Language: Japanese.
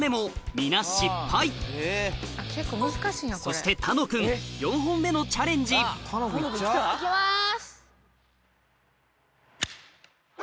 皆失敗そして楽君４本目のチャレンジいきます。